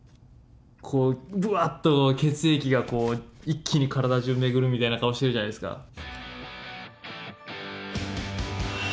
こうブワッと血液が一気に体じゅう巡るみたいな顔してるじゃないですか。